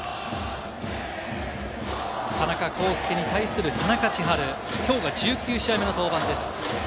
田中広輔に対する田中千晴、きょうが１９試合目の登板です。